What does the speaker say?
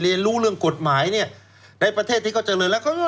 เรียนรู้เรื่องกฎหมายเนี่ยในประเทศที่เขาเจริญแล้ว